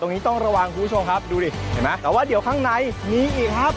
ต้องระวังคุณผู้ชมครับดูดิเห็นไหมแต่ว่าเดี๋ยวข้างในมีอีกครับ